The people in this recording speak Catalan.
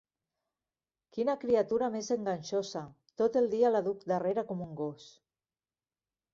Quina criatura més enganxosa!: tot el dia la duc darrere com un gos.